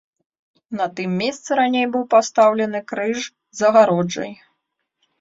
На тым месцы раней быў пастаўлены крыж з агароджай.